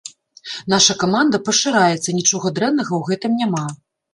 Наша каманда пашыраецца, нічога дрэннага ў гэтым няма.